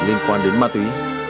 liên quan đến ma túy